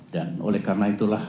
dan oleh karena itulah